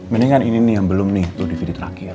mendingan ini nih yang belum nih tuh dvd terakhir